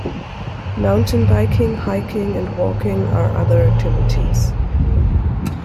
Mountain biking, hiking, and walking are other activities.